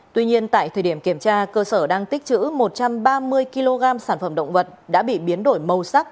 tuy nhiên tại thời điểm kiểm tra cơ sở đang tích chữ một trăm ba mươi kg sản phẩm động vật đã bị biến đổi màu sắc